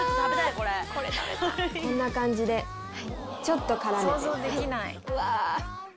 こんな感じでちょっと絡めて。